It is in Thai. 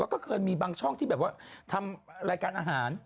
แล้วก็เคยมีบางช่องที่แบบว่าทำรายการอาหาร